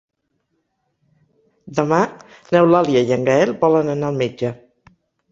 Demà n'Eulàlia i en Gaël volen anar al metge.